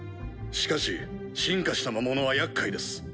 しかし進化した魔物は厄介です。